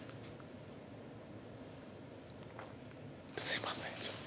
すみません、ちょっと。